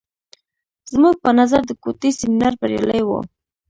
زموږ په نظر د کوټې سیمینار بریالی و.